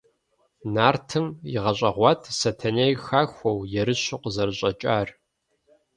Нартым игъэщӀагъуэт Сэтэней хахуэу, ерыщу къызэрыщӀэкӀар.